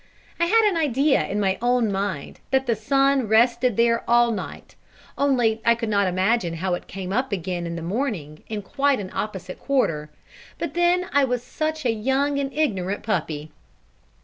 I had an idea in my own mind that the sun rested there all night, only I could not imagine how it came up again in the morning in quite an opposite quarter; but then I was such a young and ignorant puppy!